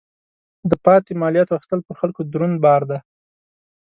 د پاتې مالیاتو اخیستل پر خلکو دروند بار دی.